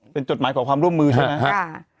เป็นจดหมายขอความร่วมมือใช่ไหม